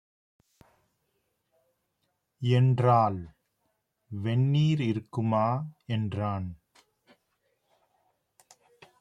என்றாள். "வெந்நீர் இருக்குமா" என்றான்.